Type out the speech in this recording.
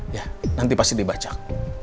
iya nanti pasti dibacak